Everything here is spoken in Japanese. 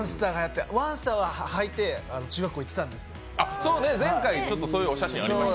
ワンスター履いて中学校行ってたんです。